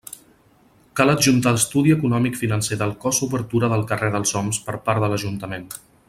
Cal adjuntar estudi econòmic financer del cost obertura del carrer dels Oms per part de l'ajuntament.